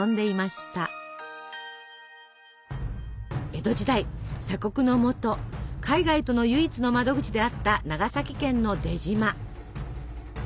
江戸時代鎖国のもと海外との唯一の窓口であった長崎県の出島。